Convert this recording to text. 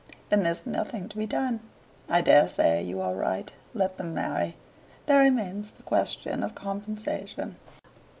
"Then there's nothing to be done. I dare say you are right. Let them marry. There remains the question of compensation.